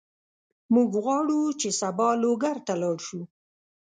موږ غواړو چې سبا لوګر ته لاړ شو.